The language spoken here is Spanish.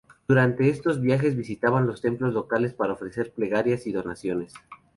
Durante estos viajes visitaban los templos locales para ofrecer plegarias y donaciones.